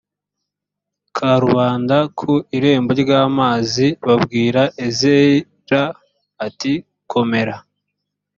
karubanda ku irembo ry amazi babwira ezira ati komera